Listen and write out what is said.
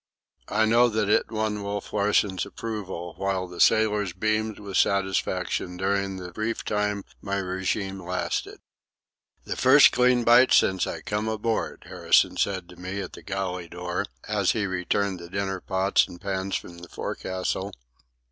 I know that it won Wolf Larsen's approval, while the sailors beamed with satisfaction during the brief time my régime lasted. "The first clean bite since I come aboard," Harrison said to me at the galley door, as he returned the dinner pots and pans from the forecastle.